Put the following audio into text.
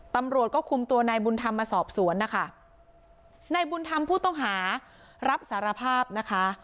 ตำรวจก็คุมตัวนายบุญธรรมมาสอบสวนนะคะนายบุญธรรมผู้ต้องหารับสารภาพนะคะ